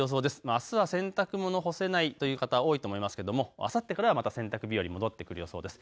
あすは洗濯物、干せないという方、多いと思いますけれども、あさってからまた洗濯日和戻ってくる予想です。